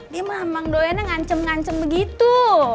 dia memang doyanya ngancem ngancem begitu